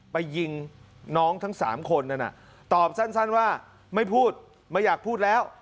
ไปยิงน้องทั้ง๓คนนั้นตอบสั้นว่าไม่พูดไม่อยากพูดแล้ว